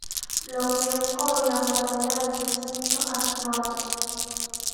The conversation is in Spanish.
Lo que es hoy la muralla del recinto actual.